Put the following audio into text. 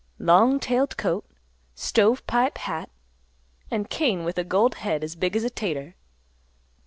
"Long tailed coat, stove pipe hat, an' cane with a gold head as big as a 'tater.